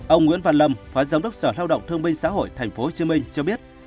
ông nguyễn văn lâm phó giám đốc sở lao động thương binh xã hội tp hcm cho biết